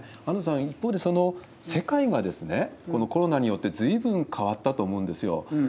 安藤さん、一方で、世界がコロナによってずいぶん変わったと思うんですよ。